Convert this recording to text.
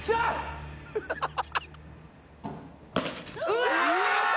うわ！